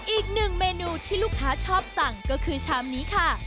อีกหนึ่งเมนูที่ลูกค้าชอบสั่งก็คือชามนี้ค่ะ